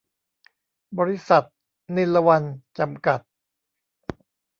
บริษัท นิลวรรณ จำกัด